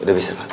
udah bisa pak